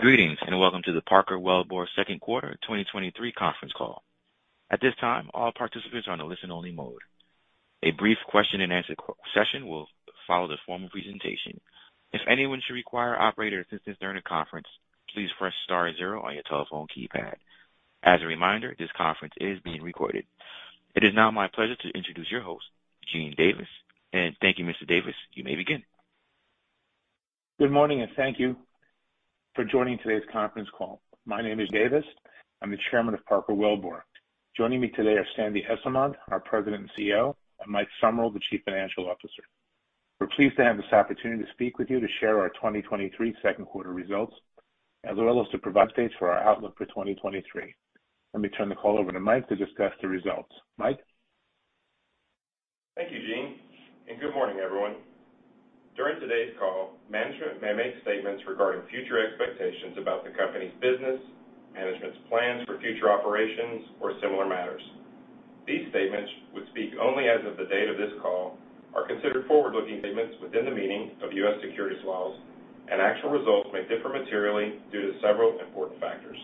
Greetings, and welcome to the Parker Wellbore second quarter 2023 conference call. At this time, all participants are on a listen-only mode. A brief question and answer session will follow the formal presentation. If anyone should require operator assistance during the conference, please press star 0 on your telephone keypad. As a reminder, this conference is being recorded. It is now my pleasure to introduce your host, Gene Davis. Thank you, Mr. Davis. You may begin. Good morning, and thank you for joining today's conference call. My name is Davis. I'm the Chairman of Parker Wellbore. Joining me today are Sandy Esslemont, our President and Chief Executive Officer, and Mike Sumruld, the Chief Financial Officer. We're pleased to have this opportunity to speak with you to share our 2023 2Q results, as well as to provide updates for our outlook for 2023. Let me turn the call over to Mike to discuss the results. Mike? Thank you, Gene. Good morning, everyone. During today's call, management may make statements regarding future expectations about the company's business, management's plans for future operations, or similar matters. These statements, which speak only as of the date of this call, are considered forward-looking statements within the meaning of U.S. securities laws. Actual results may differ materially due to several important factors.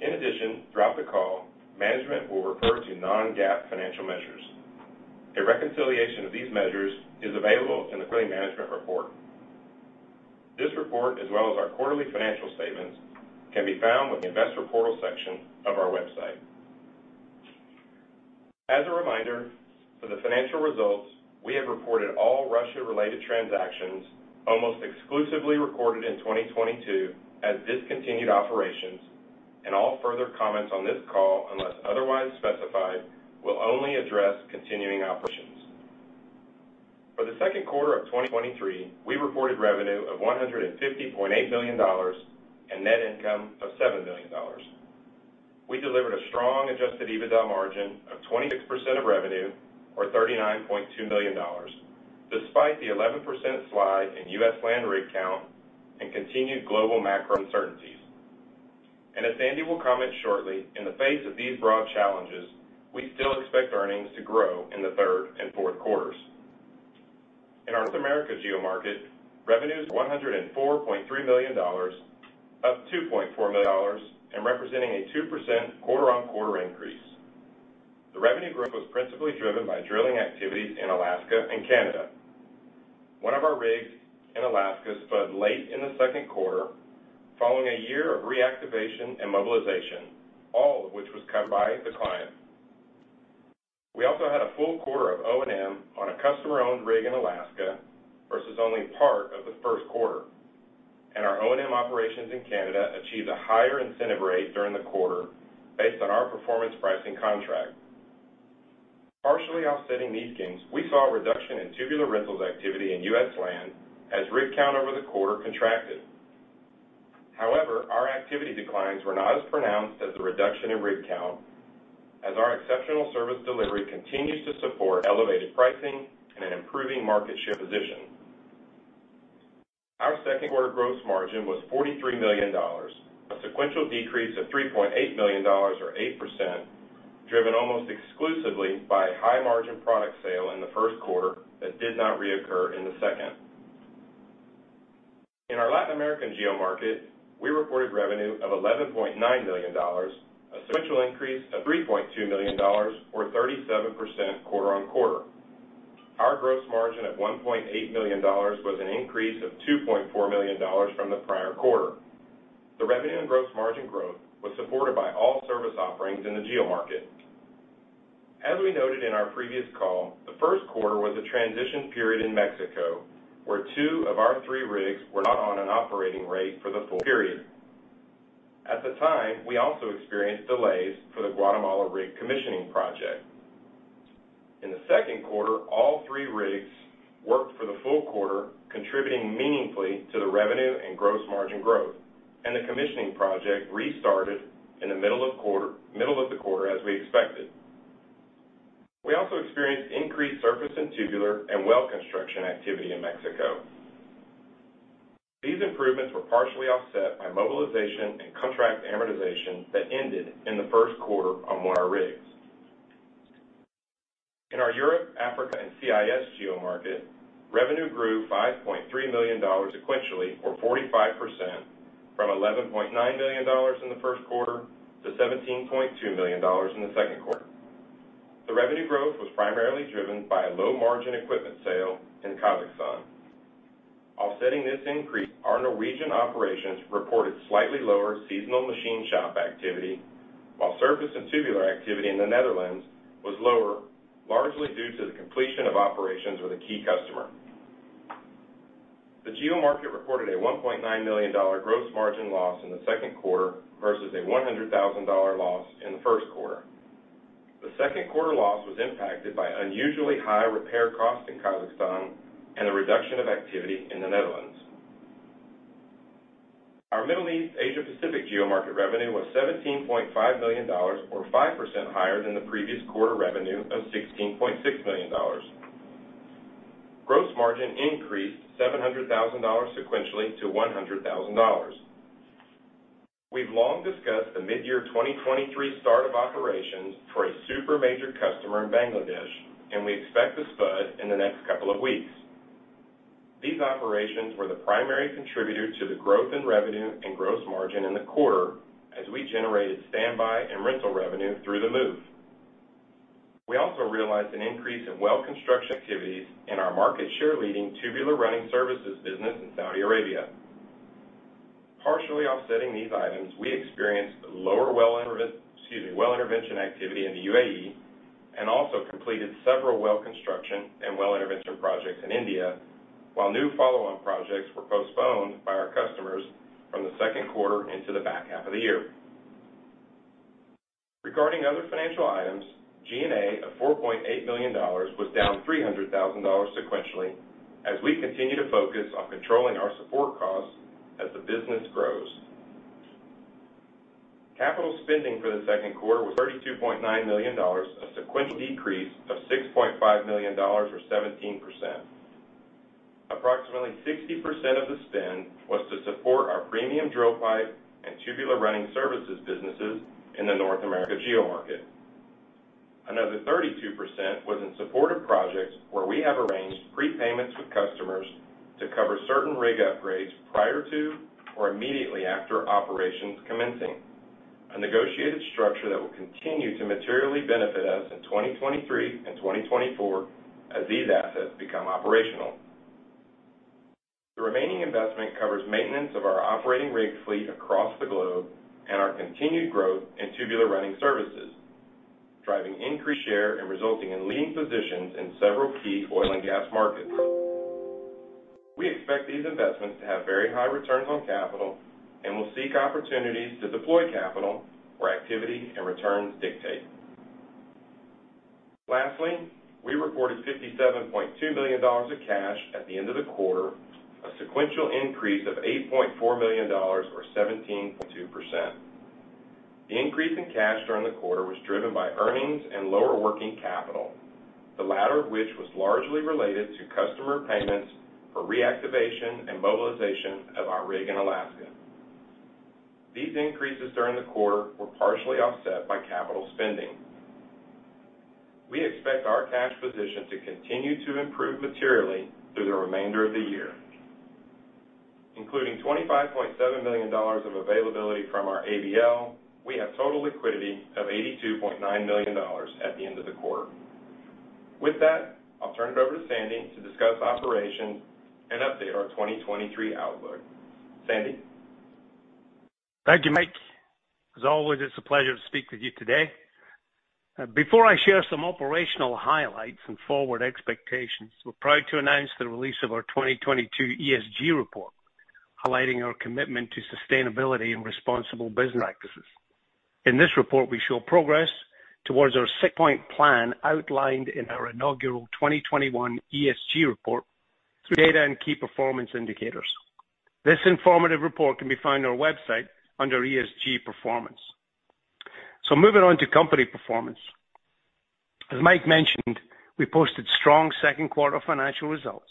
In addition, throughout the call, management will refer to non-GAAP financial measures. A reconciliation of these measures is available in the current management report. This report, as well as our quarterly financial statements, can be found with the Investor Portal section of our website. As a reminder, for the financial results, we have reported all Russia-related transactions, almost exclusively recorded in 2022 as discontinued operations. All further comments on this call, unless otherwise specified, will only address continuing operations. For the second quarter of 2023, we reported revenue of $150.8 million and net income of $7 million. We delivered a strong adjusted EBITDA margin of 26% of revenue, or $39.2 million, despite the 11% slide in US land rig count and continued global macro uncertainties. As Sandy will comment shortly, in the face of these broad challenges, we still expect earnings to grow in the third and fourth quarters. In our North America geomarket, revenues of $104.3 million, up $2.4 million, representing a 2% quarter-on-quarter increase. The revenue growth was principally driven by drilling activities in Alaska and Canada. 1 of our rigs in Alaska spud late in the second quarter, following a year of reactivation and mobilization, all of which was covered by the client. We also had a full quarter of O&M on a customer-owned rig in Alaska versus only part of the first quarter, and our O&M operations in Canada achieved a higher incentive rate during the quarter based on our performance pricing contract. Partially offsetting these gains, we saw a reduction in tubular rentals activity in US land as rig count over the quarter contracted. However, our activity declines were not as pronounced as the reduction in rig count, as our exceptional service delivery continues to support elevated pricing and an improving market share position. Our second quarter gross margin was $43 million, a sequential decrease of $3.8 million, or 8%, driven almost exclusively by high-margin product sale in the first quarter that did not reoccur in the second. In our Latin America geomarket, we reported revenue of $11.9 million, a sequential increase of $3.2 million, or 37% quarter-on-quarter. Our gross margin at $1.8 million was an increase of $2.4 million from the prior quarter. The revenue and gross margin growth was supported by all service offerings in the geomarket. As we noted in our previous call, the first quarter was a transition period in Mexico, where two of our three rigs were not on an operating rate for the full period. At the time, we also experienced delays for the Guatemala rig commissioning project. In the second quarter, all three rigs worked for the full quarter, contributing meaningfully to the revenue and gross margin growth. The commissioning project restarted in the middle of the quarter, as we expected. We also experienced increased surface and tubular and well construction activity in Mexico. These improvements were partially offset by mobilization and contract amortization that ended in the first quarter on one of our rigs. In our Europe, Africa, and CIS geomarket, revenue grew $5.3 million sequentially, or 45%, from $11.9 million in the first quarter to $17.2 million in the second quarter. The revenue growth was primarily driven by a low-margin equipment sale in Kazakhstan. Offsetting this increase, our Norwegian operations reported slightly lower seasonal machine shop activity, while surface and tubular activity in the Netherlands was lower, largely due to the completion of operations with a key customer. The geomarket reported a $1.9 million gross margin loss in the second quarter versus a $100,000 loss in the first quarter. The second quarter loss was impacted by unusually high repair costs in Kazakhstan and a reduction of activity in the Netherlands. Our Middle East/Asia Pacific geomarket revenue was $17.5 million, or 5% higher than the previous quarter revenue of $16.6 million. Gross margin increased $700,000 sequentially to $100,000.... We've long discussed the mid-year 2023 start of operations for a supermajor customer in Bangladesh, and we expect to spud in the next couple of weeks. These operations were the primary contributor to the growth in revenue and gross margin in the quarter, as we generated standby and rental revenue through the move. We also realized an increase in well construction activities in our market share leading tubular running services business in Saudi Arabia. Partially offsetting these items, we experienced lower well intervention activity in the UAE, and also completed several well construction and well intervention projects in India, while new follow-on projects were postponed by our customers from the second quarter into the back half of the year. Regarding other financial items, G&A of $4.8 million was down $300,000 sequentially, as we continue to focus on controlling our support costs as the business grows. Capital spending for the second quarter was $32.9 million, a sequential decrease of $6.5 million, or 17%. Approximately 60% of the spend was to support our premium drill pipe and tubular running services businesses in the North America geomarket. Another 32% was in support of projects where we have arranged prepayments with customers to cover certain rig upgrades prior to or immediately after operations commencing, a negotiated structure that will continue to materially benefit us in 2023 and 2024 as these assets become operational. The remaining investment covers maintenance of our operating rig fleet across the globe and our continued growth in tubular running services, driving increased share and resulting in leading positions in several key oil and gas markets. We expect these investments to have very high returns on capital and will seek opportunities to deploy capital where activity and returns dictate. Lastly, we recorded $57.2 million of cash at the end of the quarter, a sequential increase of $8.4 million or 17.2%. The increase in cash during the quarter was driven by earnings and lower working capital, the latter of which was largely related to customer payments for reactivation and mobilization of our rig in Alaska. These increases during the quarter were partially offset by capital spending. We expect our cash position to continue to improve materially through the remainder of the year. Including $25.7 million of availability from our ABL, we have total liquidity of $82.9 million at the end of the quarter. With that, I'll turn it over to Sandy to discuss operations and update our 2023 outlook. Sandy? Thank you, Mike. As always, it's a pleasure to speak with you today. Before I share some operational highlights and forward expectations, we're proud to announce the release of our 2022 ESG report, highlighting our commitment to sustainability and responsible business practices. In this report, we show progress towards our six-point plan outlined in our inaugural 2021 ESG report through data and key performance indicators. This informative report can be found on our website under ESG Performance. Moving on to company performance. As Mike mentioned, we posted strong second quarter financial results,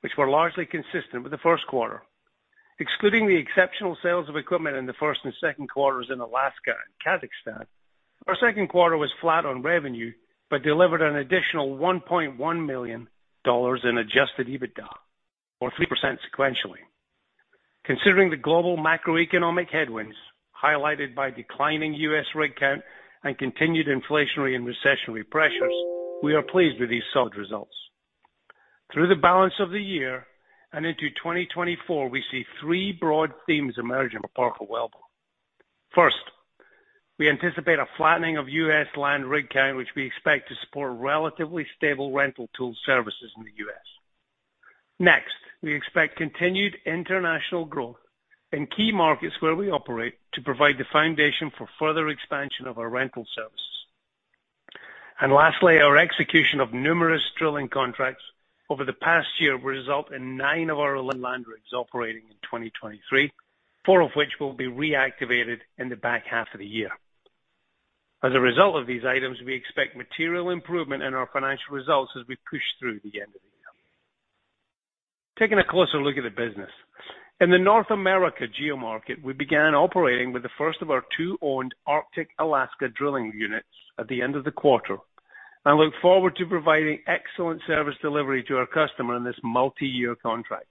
which were largely consistent with the first quarter. Excluding the exceptional sales of equipment in the first and second quarters in Alaska and Kazakhstan, our second quarter was flat on revenue, but delivered an additional $1.1 million in adjusted EBITDA, or 3% sequentially. Considering the global macroeconomic headwinds, highlighted by declining U.S. rig count and continued inflationary and recessionary pressures, we are pleased with these solid results. Through the balance of the year and into 2024, we see three broad themes emerging for Parker Wellbore. First, we anticipate a flattening of U.S. land rig count, which we expect to support relatively stable rental tool services in the U.S. Next, we expect continued international growth in key markets where we operate to provide the foundation for further expansion of our rental services. Lastly, our execution of numerous drilling contracts over the past year will result in 9 of our land rigs operating in 2023, 4 of which will be reactivated in the back half of the year. As a result of these items, we expect material improvement in our financial results as we push through the end of the year. Taking a closer look at the business. In the North America geomarket, we began operating with the first of our two owned Arctic Alaska Drilling Units at the end of the quarter. I look forward to providing excellent service delivery to our customer in this multiyear contract.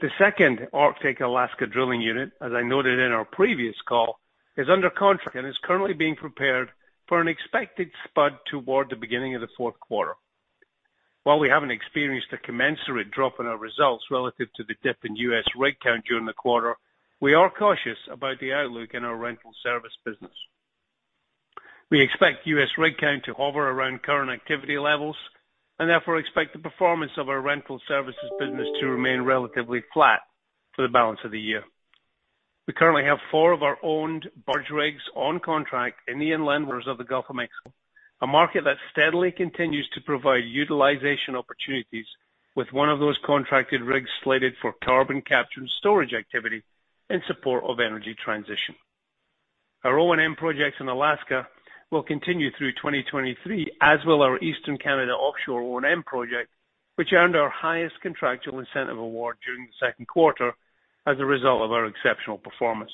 The second Arctic Alaska Drilling Unit, as I noted in our previous call, is under contract and is currently being prepared for an expected spud toward the beginning of the fourth quarter. While we haven't experienced a commensurate drop in our results relative to the dip in U.S. rig count during the quarter, we are cautious about the outlook in our rental service business. We expect U.S. rig count to hover around current activity levels, and therefore expect the performance of our rental services business to remain relatively flat for the balance of the year. We currently have four of our owned barge rigs on contract in the inland waters of the Gulf of Mexico, a market that steadily continues to provide utilization opportunities with one of those contracted rigs slated for carbon capture and storage activity in support of energy transition. Our O&M projects in Alaska will continue through 2023, as will our Eastern Canada offshore O&M project, which earned our highest contractual incentive award during the second quarter as a result of our exceptional performance.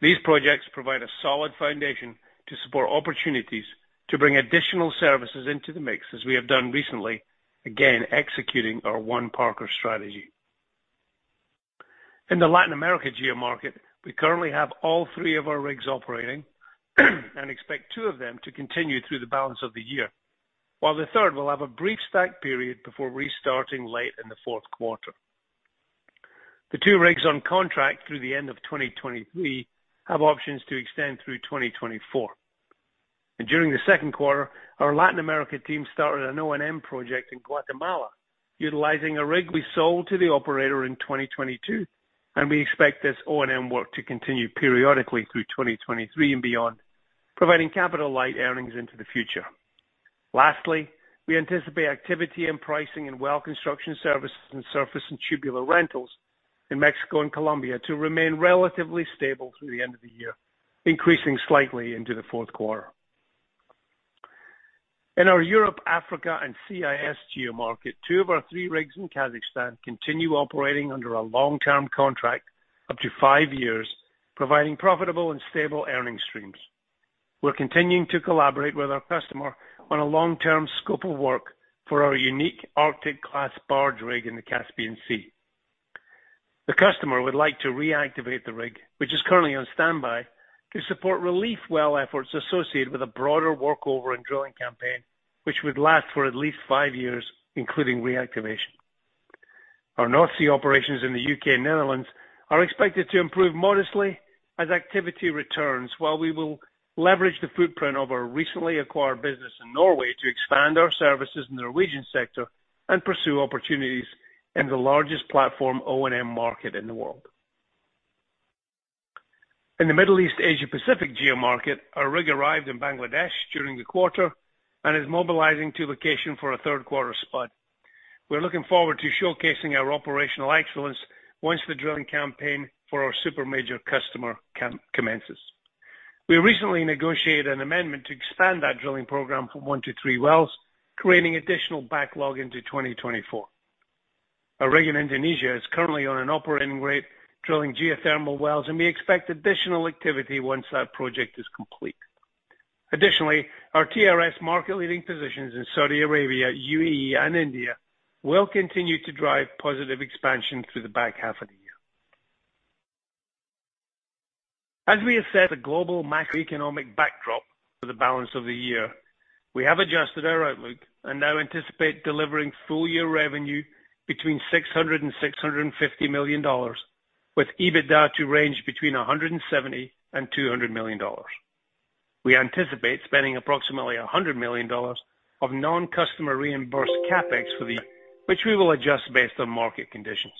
These projects provide a solid foundation to support opportunities to bring additional services into the mix, as we have done recently, again, executing our One Parker strategy. In the Latin America geomarket, we currently have all three of our rigs operating and expect two of them to continue through the balance of the year, while the third will have a brief stack period before restarting late in the fourth quarter. The two rigs on contract through the end of 2023 have options to extend through 2024. During the second quarter, our Latin America team started an O&M project in Guatemala, utilizing a rig we sold to the operator in 2022, and we expect this O&M work to continue periodically through 2023 and beyond, providing capital-light earnings into the future. Lastly, we anticipate activity and pricing in well construction services and surface and tubular rentals in Mexico and Colombia to remain relatively stable through the end of the year, increasing slightly into the fourth quarter. In our Europe, Africa, and CIS geomarket, two of our three rigs in Kazakhstan continue operating under a long-term contract up to five years, providing profitable and stable earning streams. We're continuing to collaborate with our customer on a long-term scope of work for our unique arctic-class barge rig in the Caspian Sea. The customer would like to reactivate the rig, which is currently on standby, to support relief well efforts associated with a broader workover and drilling campaign, which would last for at least five years, including reactivation. Our North Sea operations in the U.K. and Netherlands are expected to improve modestly as activity returns, while we will leverage the footprint of our recently acquired business in Norway to expand our services in the Norwegian sector and pursue opportunities in the largest platform O&M market in the world. In the Middle East/Asia Pacific geomarket, our rig arrived in Bangladesh during the quarter and is mobilizing to location for a third quarter spot. We're looking forward to showcasing our operational excellence once the drilling campaign for our supermajor customer commences. We recently negotiated an amendment to expand that drilling program from one to three wells, creating additional backlog into 2024. Our rig in Indonesia is currently on an operating rate, drilling geothermal wells, and we expect additional activity once that project is complete. Our TRS market leading positions in Saudi Arabia, UAE, and India will continue to drive positive expansion through the back half of the year. As we assess the global macroeconomic backdrop for the balance of the year, we have adjusted our outlook and now anticipate delivering full-year revenue between $600 million-$650 million, with EBITDA to range between $170 million-$200 million. We anticipate spending approximately $100 million of non-customer reimbursed CapEx, which we will adjust based on market conditions.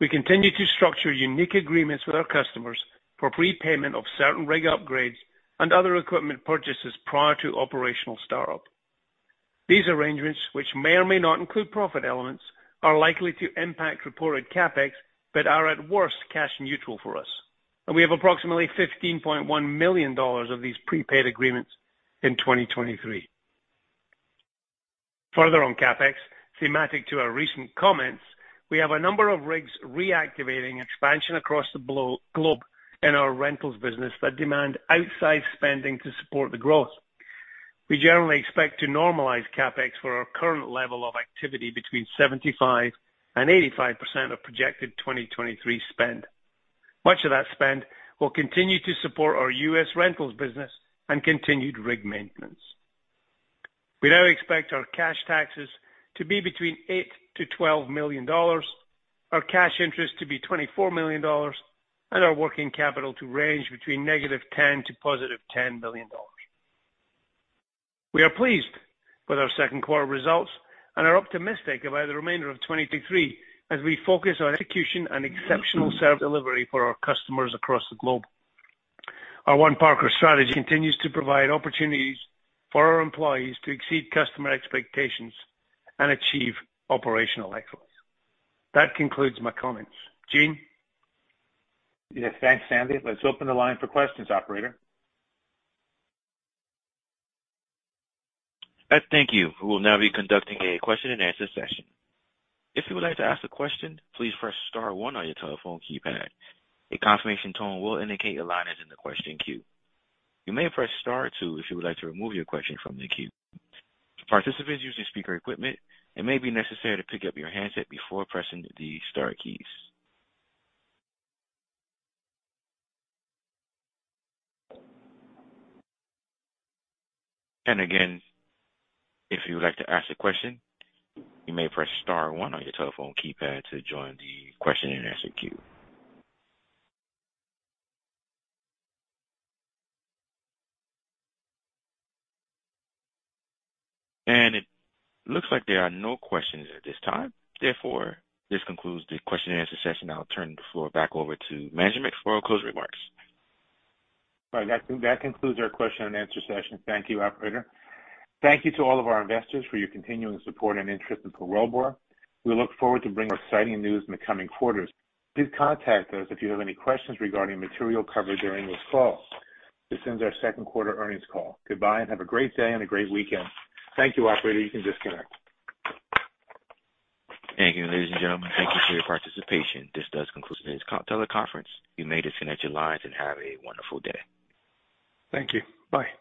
We continue to structure unique agreements with our customers for prepayment of certain rig upgrades and other equipment purchases prior to operational startup. These arrangements, which may or may not include profit elements, are likely to impact reported CapEx but are at worst, cash neutral for us, and we have approximately $15.1 million of these prepaid agreements in 2023. Further on CapEx, thematic to our recent comments, we have a number of rigs reactivating expansion across the globe in our rentals business that demand outsized spending to support the growth. We generally expect to normalize CapEx for our current level of activity between 75% and 85% of projected 2023 spend. Much of that spend will continue to support our US rentals business and continued rig maintenance. We now expect our cash taxes to be between $8 million-$12 million, our cash interest to be $24 million, and our working capital to range between -$10 million to +$10 million. We are pleased with our second quarter results and are optimistic about the remainder of 2023 as we focus on execution and exceptional service delivery for our customers across the globe. Our One Parker strategy continues to provide opportunities for our employees to exceed customer expectations and achieve operational excellence. That concludes my comments. Gene? Yes, thanks, Sandy. Let's open the line for questions, operator. Thank you. We will now be conducting a question-and-answer session. If you would like to ask a question, please press star one on your telephone keypad. A confirmation tone will indicate your line is in the question queue. You may press star two if you would like to remove your question from the queue. Participants using speaker equipment, it may be necessary to pick up your handset before pressing the star keys. Again, if you would like to ask a question, you may press star one on your telephone keypad to join the question-and-answer queue. It looks like there are no questions at this time. Therefore, this concludes the question-and-answer session. I'll turn the floor back over to management for closing remarks. All right. That concludes our question-and-answer session. Thank you, operator. Thank you to all of our investors for your continuing support and interest in Parker Wellbore. We look forward to bringing more exciting news in the coming quarters. Please contact us if you have any questions regarding material covered during this call. This ends our second quarter earnings call. Goodbye, and have a great day and a great weekend. Thank you, operator. You can disconnect. Thank you, ladies and gentlemen. Thank you for your participation. This does conclude today's teleconference. You may disconnect your lines and have a wonderful day. Thank you. Bye.